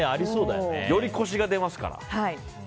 よりコシが出ますから。